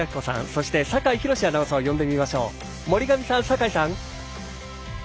そして、酒井博司アナウンサーを呼んでみましょう。